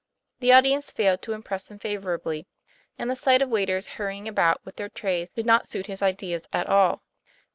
The audience failed to impress him favorably ; and the sight of waiters hurry ing about with their trays did not suit his ideas at all.